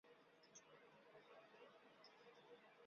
অর্থাৎ, নির্জন— যোগেন্দ্র।